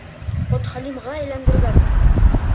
Подхалимға әйләндергән.